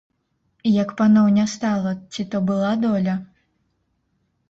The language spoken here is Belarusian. Як паноў не стала, ці то была доля?